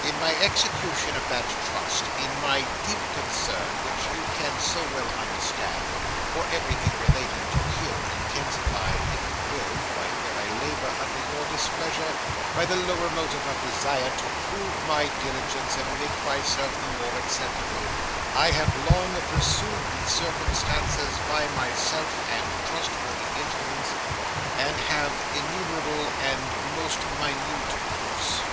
In my execution of that trust; in my deep concern, which you can so well understand, for everything relating to him, intensified, if you will (for I fear I labour under your displeasure), by the lower motive of desire to prove my diligence, and make myself the more acceptable; I have long pursued these circumstances by myself and trustworthy instruments, and have innumerable and most minute proofs."